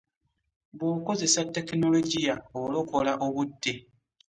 bwokozesa tekinologiya olokola obudde.